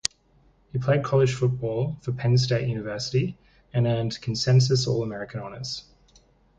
He played college football for Penn State University, and earned consensus All-American honors.